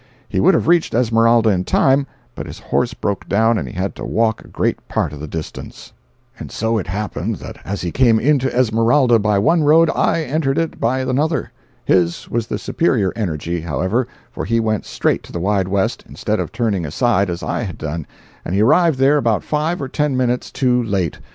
He would have reached Esmeralda in time, but his horse broke down and he had to walk a great part of the distance. And so it happened that as he came into Esmeralda by one road, I entered it by another. His was the superior energy, however, for he went straight to the Wide West, instead of turning aside as I had done—and he arrived there about five or ten minutes too late!